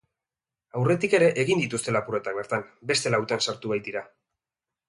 Aurretik ere egin dituzte lapurretak bertan, beste lautan sartu baitira.